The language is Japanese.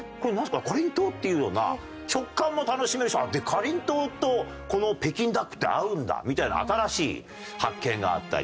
「かりんとう？」っていうような食感も楽しめるしかりんとうとこの北京ダックって合うんだみたいな新しい発見があったり。